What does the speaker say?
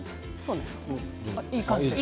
いい感じですね。